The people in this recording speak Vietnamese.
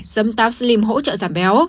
sâm táp slim hỗ trợ giảm béo